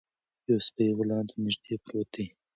یو سپی غلام ته نږدې پروت دی.